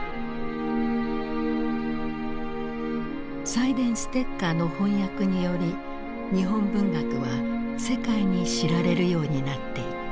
サイデンステッカーの翻訳により日本文学は世界に知られるようになっていった。